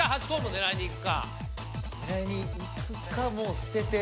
狙いにいくかもう捨てて。